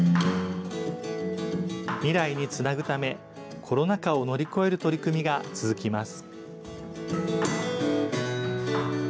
未来につなぐため、コロナ禍を乗り越える取り組みが続きます。